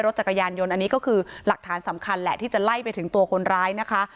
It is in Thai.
จักรยานยนต์อันนี้ก็คือหลักฐานสำคัญแหละที่จะไล่ไปถึงตัวคนร้ายนะคะ